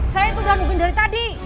saya itu udah nungguin dari tadi